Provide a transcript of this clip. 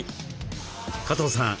加藤さん